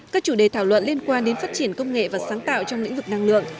các chủ đề thảo luận liên quan đến phát triển công nghệ và sáng tạo trong lĩnh vực năng lượng